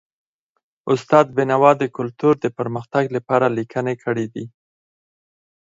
استاد بینوا د کلتور د پرمختګ لپاره لیکني کړي دي.